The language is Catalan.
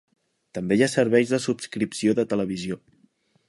També hi ha serveis de subscripció de televisió.